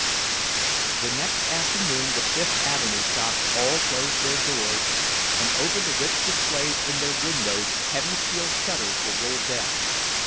The next afternoon the Fifth Avenue shops all closed their doors, and over the rich displays in their windows heavy steel shutters were rolled down.